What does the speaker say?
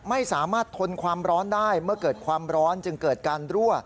ไม่สามารถทนความร้อนได้เมื่อเกิดความร้อนจึงเกิดการรั่ว